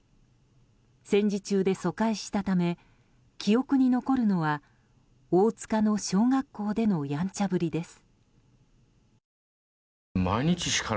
戦時中で疎開したため記憶に残るのは大塚の小学校でのやんちゃぶりです。